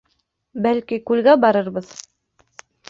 Бәлки, күлгә барырбыҙ?